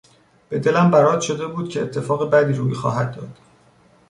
به دلم برات شده بود که اتفاق بدی روی خواهد داد.